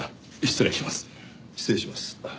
失礼します。